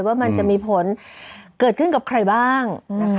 ว่ามันจะมีผลเกิดขึ้นกับใครบ้างนะคะ